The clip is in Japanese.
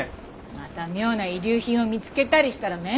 また妙な遺留品を見つけたりしたら面倒だから。